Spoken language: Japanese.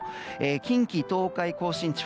近畿・東海、甲信地方